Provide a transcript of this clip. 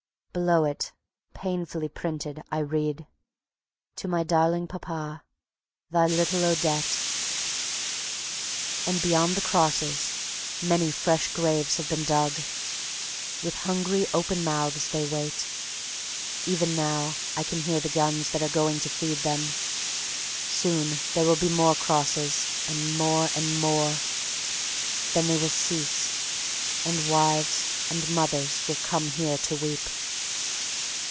Below it, painfully printed, I read: To My Darling Papa Thy Little Odette. And beyond the crosses many fresh graves have been dug. With hungry open mouths they wait. Even now I can hear the guns that are going to feed them. Soon there will be more crosses, and more and more. Then they will cease, and wives and mothers will come here to weep.